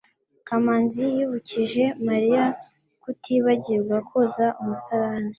kamanzi yibukije mariya kutibagirwa koza umusarani